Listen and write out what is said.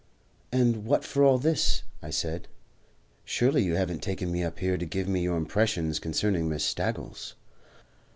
"And what for all this?" I said. "Surely you haven't taken me up here to give me your impressions concerning Miss Staggles?"